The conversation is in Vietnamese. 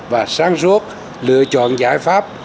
và sáng suốt lựa chọn giải pháp